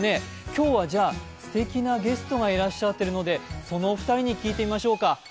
今日はじゃあ、すてきなゲストがいらっしゃってるのでそのお二人に聞いてみましょうか。